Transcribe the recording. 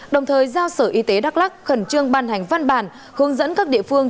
đồng thời giao sở y tế đắk lắc khẩn trương ban hành văn bản hướng dẫn các địa phương